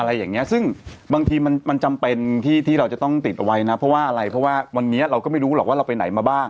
อะไรอย่างเงี้ยซึ่งบางทีมันมันจำเป็นที่ที่เราจะต้องติดเอาไว้นะเพราะว่าอะไรเพราะว่าวันนี้เราก็ไม่รู้หรอกว่าเราไปไหนมาบ้าง